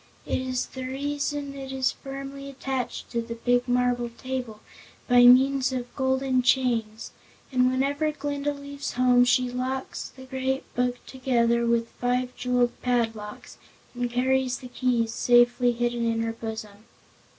That is the reason it is firmly attached to the big marble table by means of golden chains, and whenever Glinda leaves home she locks the Great Book together with five jeweled padlocks, and carries the keys safely hidden in her bosom.